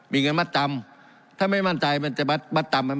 มีเงินมาตรรำถ้าไม่มั่นใจมันจะมาตรรำมันน่ะ